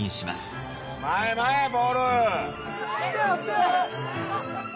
前へ前へボール。